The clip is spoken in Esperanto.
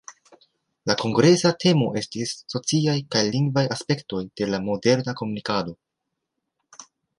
La kongresa temo estis "Sociaj kaj lingvaj aspektoj de la moderna komunikado".